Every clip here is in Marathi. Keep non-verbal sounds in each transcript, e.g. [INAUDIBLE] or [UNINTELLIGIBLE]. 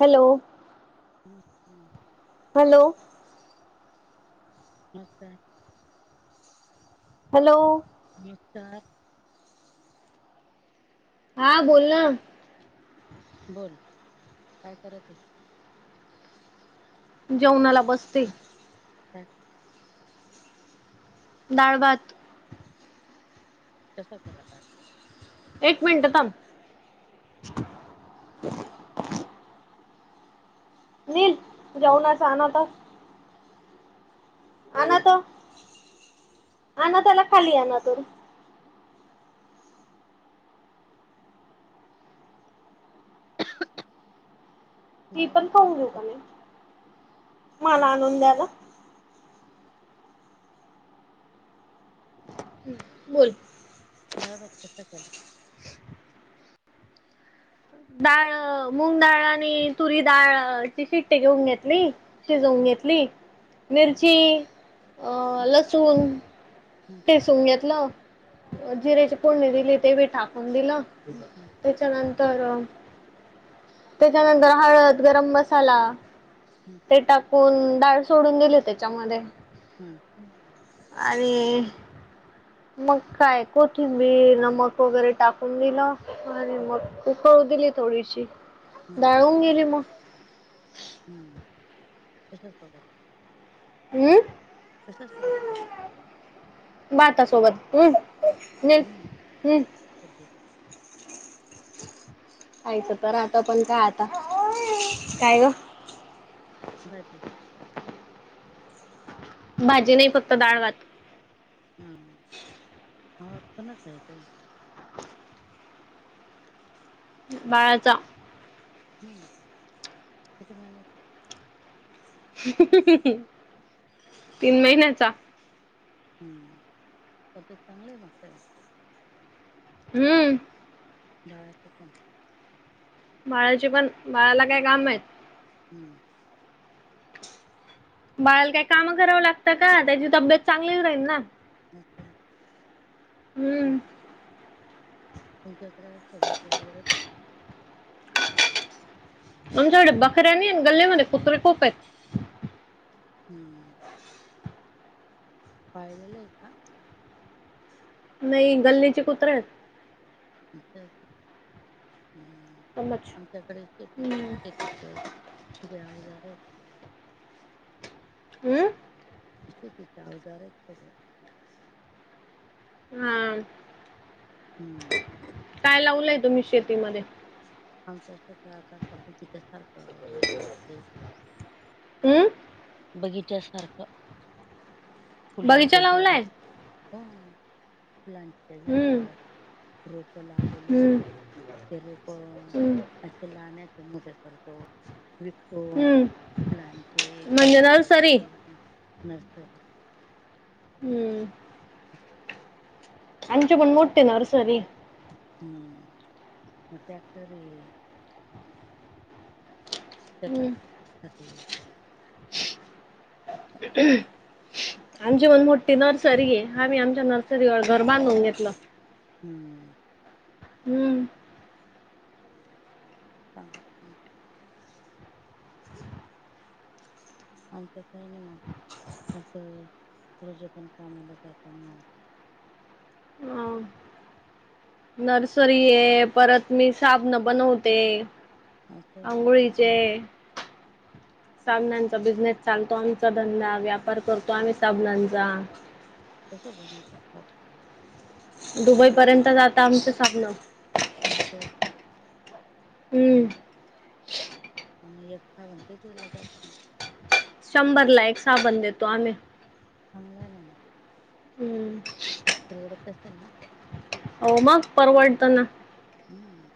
हॅलो! हम हम. हॅलो! नमस्कार. हॅलो! नमस्कार. हा बोल न. बोल काय करत ये. जेवणाला बसते. बस. डाळभात. कसा केला ताक. एक मिनट थांब. [UNINTELLIGIBLE] जाऊ नका ना आता. आण तो आना त्याला खाली आण [UNINTELLIGIBLE] [UNINTELLIGIBLE] ती डाळ पण भात पाह देऊ कसा का नाही केला मला हं? आणून द्याला. बोल. बाळ बघत सध्याला. डाळ मूंग डाळ आणि तुरी डाळ ची शिट्टी घेऊन घेतली. शिजवून हं, घेतली हं, मिरची आ हं, लसूण. हं, किसून घेतलं हं, जिरेची कोडणी दिली ते बी टाकून दिलं. हम्. त्याच्यानंतर त्याच्यानंतर हळद गरम मसाला हं, ते टाकून डाळ सोडून गेली त्याच्यामध्ये. हम् आणि. मग काय कोथींबीर नमक वगैरे टाकून दिलं आणि हं, मग कळू दिली थोडीशी डाळ होऊन गेली मग. हम्म तसच बघत. हम्म तसच [UNINTELLIGIBLE] भाता सोबत हम् न हं, हम्. भाजी कायच तर आता पण का आता, काय ग [UNINTELLIGIBLE] भाजी नाही फक्त डाळ भात. हा, आवाज कोणाच येतंय. बाळाचा हम्म किती महिन्याच. [UNINTELLIGIBLE] तीन महिन्याचा हम तब्येत चांगली मग सग हम्म बाळाचं पण बाळाचे पण, बाळाला काय काम आहेत. हम्म बाळा ला काय काम कराव लागत का? त्याची तब्येत चांगलीच राहील ना. [INAUDIBLE] हं. हम्म तुमच्याकडे अस बकऱ्या वगैरे पण आहे? आमच्याकडे बकऱ्या नाही आणि गल्लेमध्ये कुत्रे खूप आहेत. हम्म पाळलेलेत का? नाही गल्लीचे कुत्रे आहेत. असय का. हम समज आमच्याकडे शेती आहे ना हम्म शेतीत तिे अवजार आहे आहेत. हम्म शेतीच अवजार हेत ग ते. हम्म हम्म काय लावलंय? तुम्ही शेतीमध्ये. आमच्या शेतात [UNINTELLIGIBLE] हं बगीच्यासारखं, बगीचा फुलांचे झाड लावलाय हो फुलांचे झाड, हम्म रोप लावल हम्म लेले. ते रोप हम्म असे लहाण्याचे मोठे करतो. विकतो. हम्म फुलांचे, म्हणजे फळांचे नर्सरी नर्सरी हम्म. [UNINTELLIGIBLE] आमचे पण मोठे नर्सरी हे. हम्म म ट्रॅक्टर हे. हम्म [UNINTELLIGIBLE] आमची पण मोठठी नर्सरी हे, आम्ही आमच्या नर्सरी वर घर बांधून घेतल. हम्म हम्म चांगल -चांगलंय आमच काही नाही मग अस रोजे पण कामाला जातो मग. हम नर्सरी हे परत मी साबण बनवते. असं कसं अंघोळीचे. बनव साबनांचा बिझनेस चालतो आमचा धंदा व्यापार करतो आम्ही साबनांचा. कस बनवतात साबण? दुबई पर्यंत जाता आमच साबण. असय का. हम्म म्ह एक साबण कितीला जातो मग? शंभर ला एक साबण देतो आम्ही. [UNINTELLIGIBLE] हम्म. परवडत असल ना. हो मग परवडतं ना. हम्म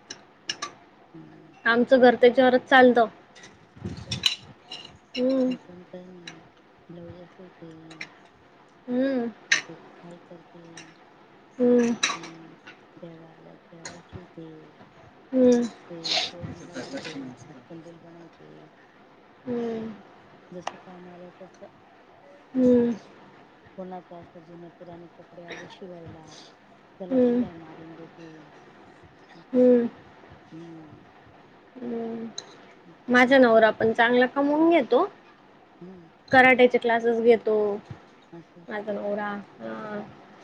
हम्म. आमचं घर त्याच्यावरच चालतं. अस अस हम्म मी पण काही नाही ब्लाउज शिवते. हम्म आता तु काय करते. हम्म. हमम बॅगा आल्यात बॅगा शिवते. हम्म. ते तोरण बनवते आकाशकंदील बनवते. ते हम्म जस काम आलं तस हम्म हम्म कोणाचा असं जुने पुराने कपडे आले शिवायला त्याला हम्म शिलाई मारून देते. हम्म. हमम. माझ्या नवरा पण चांगला कमवून घेतो. हम्म. कराट्याचे क्लासेस घेतो असं माझ नवरा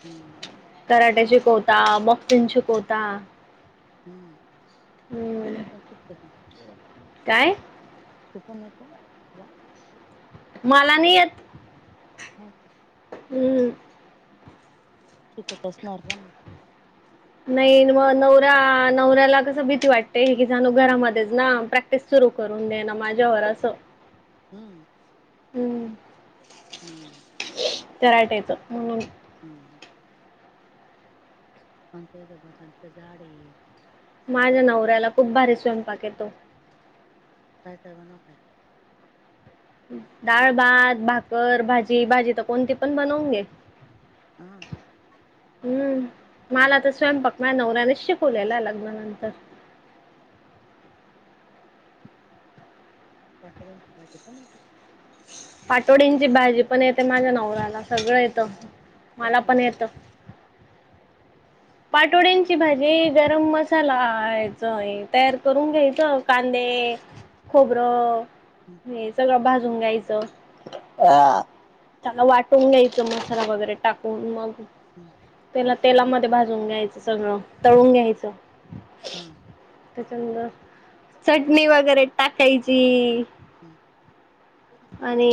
हम्म. कराटे शिकवतात, बाॅक्सींग शिकवतात. हम्म हम्म [UNINTELLIGIBLE] काय? [UNINTELLIGIBLE] मला नाही येत. होय काय. हम्म. शिकत असणार ना मग. नाही मग नवरा नवऱ्याला कस भीती वाटते की जाणू घरामध्येच ना प्रॅक्टि ते सुरू करून देण माझ्यावर असं. हम्म. हम्म. हम्म. कराटे येतं हमम. हम्म. [UNINTELLIGIBLE] माझ्या नवऱ्याला खूप भारी स्वयंपाक येतो. काय काय बनवतात? डाळ भात भाकर भाजी भाजी तर कोणती पण बनवून घे. हा हम्म मला तर हम्म स्वयंपाक माझ्या नवऱ्याने शिक खोल्यायला लागलं नंतर भाकऱ्या न भाजी पण येते? पाटोडींची भाजी पण येते माझ्या नवऱ्याला सगळं येतं मला कशी पण येत. बनवते पाटोड्यांची भाजी गरम मसाला यायच तयार करून घ्यायचं कांदे खोबरं हम्म हे सगळं भाजून घायचं. हम्म त्याला वाटून घ्यायचं मसाला वगैरे टाकून मग. हम् त्याला तेलामध्ये भाजून घ्यायचं सगळं तळून घ्यायचं. हम् त्याच्यांदर चटणी वगैरे टाकायची. हम्म आणि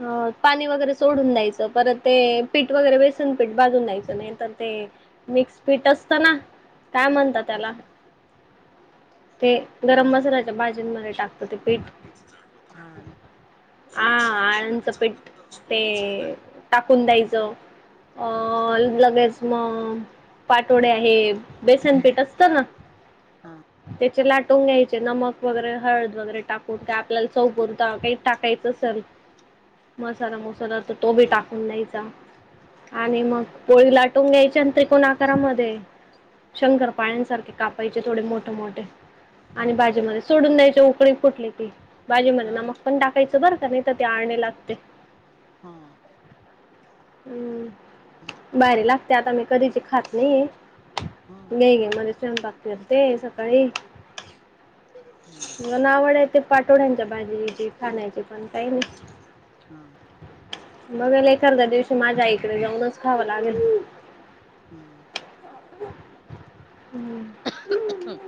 अ पाणी वगैरे सोडून द्यायचं परत ते पीठ वगैरे बेसन पीठ बाजून द्यायचं नाही तर ते मिक्सपीट असत ना काय म्हणत हम्म. त्याला. ते हा गरम मसाल्याच्या भाजींमध्ये टाकतं ते पीठ. हा हा आळंदचं पीठ ते टाकून द्यायचं. अ हम्म हम्म लगेच मग पाटोडे आहे बेसनपीठ असतं ना. हा त्याचे लाटून घ्यायचे नमक वगैरे हळद वगैरे टाकून का आपल्याला चौपर. काही टाकायचं असेल मसाला मसाला तर तो बी हा टाकून द्यायचा. आणि मग हम्म पोळी लाटून घ्यायच्या आणि त्रिकोण आकारामध्ये. शंकर पाळंसारखे कापायचे थोडे मोठे मोठे. आणि हम्म भाजीमध्ये सोडून द्यायच्या उकळी फुटली ती बाजी मध्ये ना मग. हा पण टाकायचं बरं का नाही तर ते आणणे लागते. हा हम्म बाहेारी लागते आता मी कधीची खात नाहीे. नाही ग मला स्वयंपाक करते सकाळी. हम्म पण आवड आहे ते पाठोड्यांच्या भाजीची खाण्याची पण काही नाही. हा. बघाल ए अर्ध्या दिवशी माझ्या आईकडे जाऊनच खावं लागेल. हम्म हम्म हा हम्म हम्म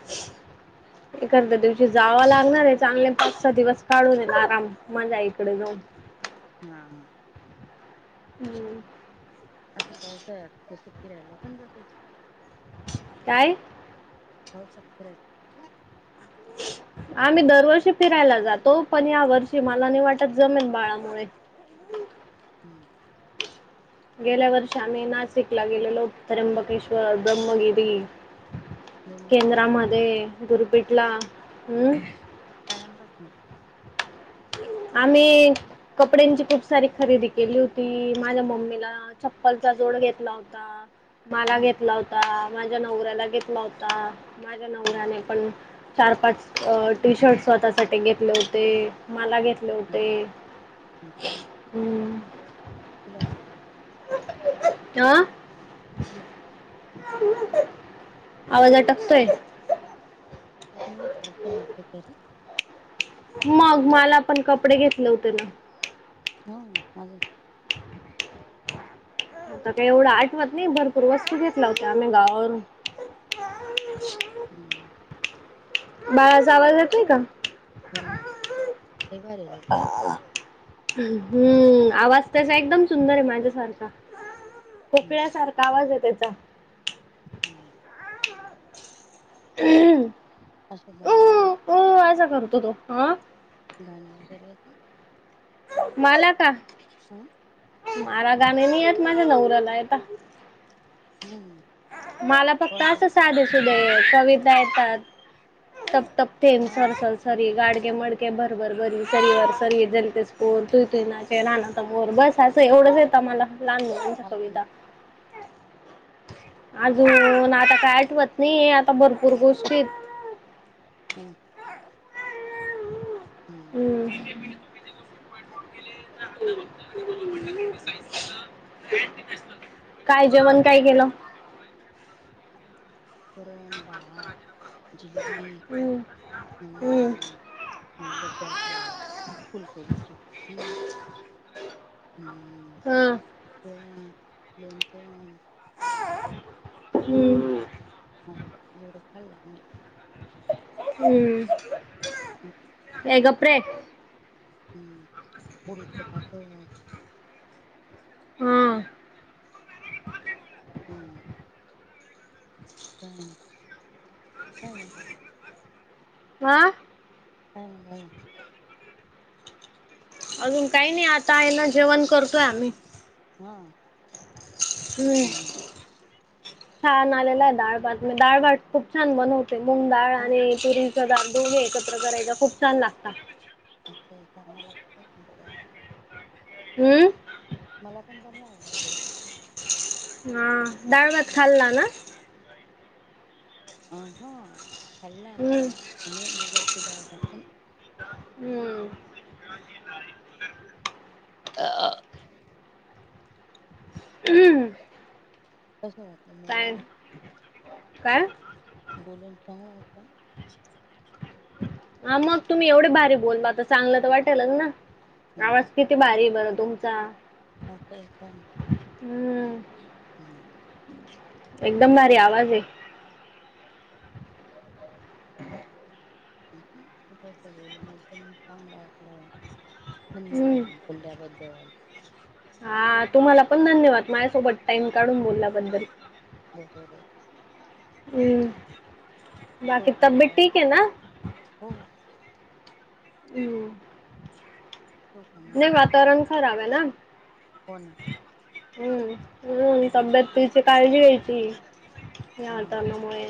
[INAUDIBLE] एता दिवशी जावं लागणार आहे चांगले फचा दिवस काढून येत आराम. माझा इकडे जाऊ. हा हा.. हम्म असा पावसा तस फिरायला पण जाते. काय? हो सते. आम्ही दरवर्षी फिरायला जातो पण या वर्षी मला नाही वाटत जमीन बाळामुळे. हम्म गेल्या वर्षी आम्ही नाशिकला गेलेलो त्र्यंबकेश्वर ब्रह्मगिरी. लय मजा मारते केंद्रामध्ये दुर्पीटला. हम्म काय आणलंच न. आम्ही कपड्यांची खूप सारी खरेदी केली होती माझ्या मम्मीला. चप्पलचा जोड घेतला होता. मला हम्म घेतला होता माझ्या नवऱ्याला घेतला होता माझ्या हा नवऱ्याने पण.. चार पाच अह टी शर्ट स्वतःसाठी घेतले होते मला घेत लोटे हम्म खुला [UNINTELLIGIBLE] अह तुला आवाज अटकतोय आपण घेतलं असेल ना कहीतरी मग मला पण कपडे घेतले होते ना हा माझे आता काही एवढं आठवत नाही भरपूर वस्तू घेतल्या होत आम्ही गावावरून हम्म. बाळाचा आवाज येतोय का? हो ना. [UNINTELLIGIBLE] हा हा हम्म आवाज तसा एकदम सुंदर आहे माझ्यासारखा हम्म हम्म खोकळ्यासार चा आवाज आहे त्याचा हम्म. ह असे गाणे वगैरे उह उह अस करतो तो हा गाणी वगैरे येतात? मला का? हम्म. मला गाणी नाही येत माझ्या नवऱ्याला येता हम्म. मला फक्त कोणतं असं साधेसुधे कविता येतात, फ हा [UNINTELLIGIBLE] सर सरसरी गाडगे मडगे [UNINTELLIGIBLE] अस एवढंच येत मला लहान मुलांच्या अजून कविता अजून आता काय आठवत नाही आता भरपूर गोष्टी हम्म. हम्म. हा बोल. काय जेवण काय केलं? वरण, भात, जिलेबी, हम्म हम्म अह गड्ड्या आहे फुलकोबीचे [UNINTELLIGIBLE] हम्म. हा. पोळ्या, लोणच हम्म. मस्त एवढं खाल्ल आम्ही हम्म. हम्म. ए गप रे. हम्म [UNINTELLIGIBLE] हं. हम्म. [INAUDIBLE] काय नाई काय नाय काय नाई. वा. हं हं. अजून काय नाई आता आयना जेवण करतोय आम्ही. हा. हम्म, छान आलेला का आहे दाळभात म डाळभात खूप छान बनव मुंगडाळ हा आणि तूरीचा दाडू एकत्र करायला खूप छान लागता. मे कामल [UNINTELLIGIBLE] हम्म. मला पण बनवावणार ते. हां डाळ भात खाल्ला ना? अ हां, खाल्ला हम्म आणि मुगाची डाळ टाकून. हम्म. ह [UNINTELLIGIBLE] अहं. तसं वाटलं. मग पॅन्ट, बोलून काय? बोलून सांगू अत्ता. हा, मग तुम्ही एवढं भारी बोलला त चांगलं तर वाटेलच ना. हम्म आवाज किती भारी आहे बरं तुमचा. असं आय का? हम्म. हम्म [UNINTELLIGIBLE] एकदम भारी आवाज आहे. ह [INAUDIBLE] तथस बोलून एकदम चांगलं वाटलं [UNINTELLIGIBLE] हम्म. धन्यवाद! बोलल्याबद्दल. हा तुम्हाला पण धन्यवाद! माझ्यासोबत टाइम काढून बोलल्याबद्दल. बरोर [UNINTELLIGIBLE] हम्म. ठेऊ बाकी का मग तब्येत ठीक आता? आहे ना? हो. हम्म, ठेवू का मग नाही आता? वाातवरण खराब आहे ना. हो ना. हम्म, हम् तब्येतीची काळजी घ्यायची. या हां. हातान मुळे